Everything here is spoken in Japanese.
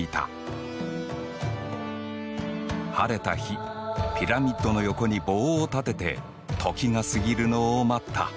晴れた日ピラミッドの横に棒を立てて時が過ぎるのを待った。